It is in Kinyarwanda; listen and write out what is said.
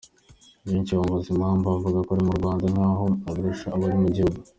Benshi bamubaza impamvu avuga ibiri mu Rwanda nk’aho abirusha abari mu gihugu.